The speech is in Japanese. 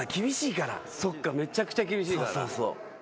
そっかめちゃくちゃ厳しいから。